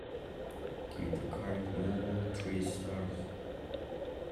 Give the current novel three stars